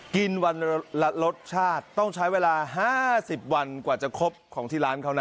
กินวันละรสชาติต้องใช้เวลา๕๐วันกว่าจะครบของที่ร้านเขานะ